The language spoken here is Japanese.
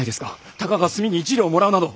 たかが炭に１両もらうなど。